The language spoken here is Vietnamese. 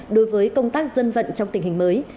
đối với công tác dân vận trong tình hình mới